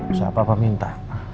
usah apa apa minta